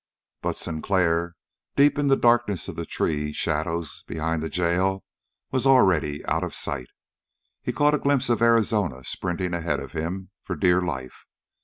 But Sinclair, deep in the darkness of the tree shadows behind the jail, was already out of sight. He caught a glimpse of Arizona sprinting ahead of him for dear life.